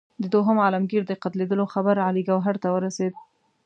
د دوهم عالمګیر د قتلېدلو خبر علي ګوهر ته ورسېد.